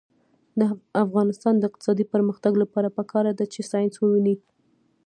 د افغانستان د اقتصادي پرمختګ لپاره پکار ده چې ساینس وي.